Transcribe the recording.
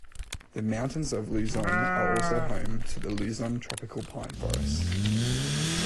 The mountains of Luzon are also home to the Luzon tropical pine forests.